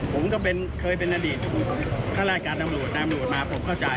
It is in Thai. ผมก็เป็นเคยเป็นนาดีตถ้ารายการดำรวจดำรวจมาผมเข้าใจ